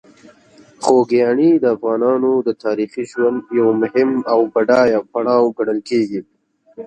خوږیاڼي د افغانانو د تاریخي ژوند یو مهم او بډایه پړاو ګڼل کېږي.